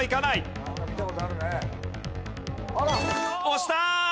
押した！